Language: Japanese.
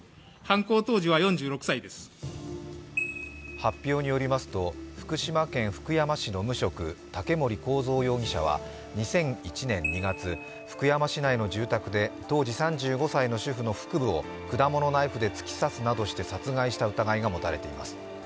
発表によりますと広島県福山市の無職竹森幸三容疑者は、２００１年２月、福山市内の住宅で当時３５歳の主婦の腹部を果物ナイフで突き刺すなどして殺害した疑いが持たれています。